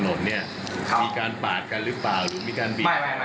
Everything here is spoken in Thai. คุณก็ชอบขึ้นครับ